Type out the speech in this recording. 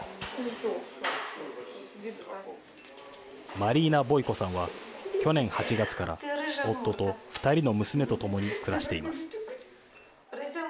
マリーナ・ボイコさんは去年８月から夫と２人の娘と共に暮らしています。